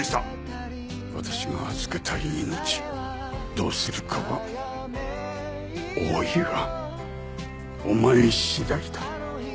私が預けた命どうするかは大岩お前次第だ。